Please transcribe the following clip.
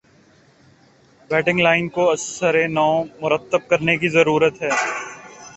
batting line کو ازسر نو مرتب کرنے کی ضرورت ہے